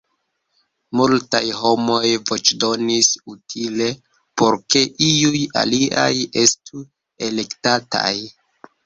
Multaj homoj voĉdonis "utile" por ke iuj aliaj estu elektataj.